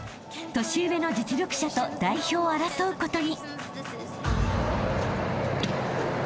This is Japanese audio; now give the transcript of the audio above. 年上の実力者と代表を争うことに］